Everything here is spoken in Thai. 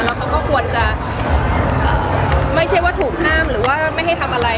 แล้วเขาก็ควรจะไม่ใช่ว่าถูกห้ามหรือว่าไม่ให้ทำอะไร